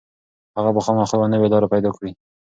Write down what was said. هغه به خامخا یوه نوې لاره پيدا کړي.